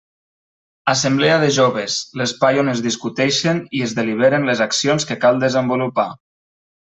Assemblea de joves: l'espai on es discuteixen i es deliberen les accions que cal desenvolupar.